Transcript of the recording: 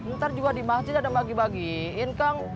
ntar juga di masjid ada bagi bagiin kang